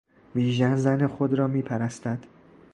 بیژن زن خود را میپرستد.